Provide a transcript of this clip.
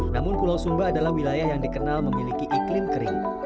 namun pulau sumba adalah wilayah yang dikenal memiliki iklim kering